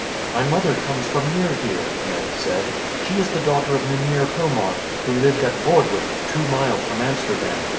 "My mother comes from near here," Ned said. "She is the daughter of Mynheer Plomaert, who lived at Vordwyk, two miles from Amsterdam.